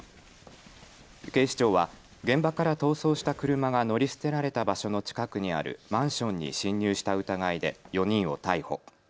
警視庁は現場から逃走した車が乗り捨てられた場所の近くにあるマンションに侵入した疑いで４人を逮捕。